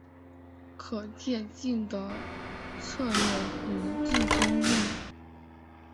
可借镜的策略与竞争力